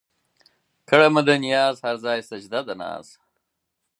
کړېده مو ده نياز هر ځای سجده د ناز